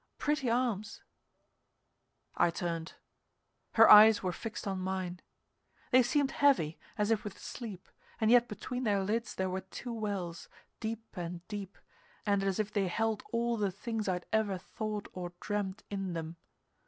"Pretty arms!" I turned. Her eyes were fixed on mine. They seemed heavy, as if with sleep, and yet between their lids they were two wells, deep and deep, and as if they held all the things I'd ever thought or dreamed in them.